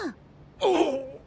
あっ！